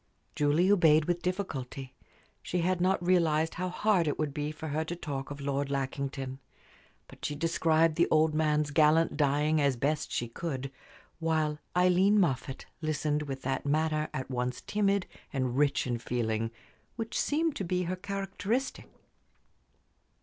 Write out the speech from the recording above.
Julie obeyed with difficulty. She had not realized how hard it would be for her to talk of Lord Lackington. But she described the old man's gallant dying as best she could; while Aileen Moffatt listened with that manner at once timid and rich in feeling which seemed to be her characteristic.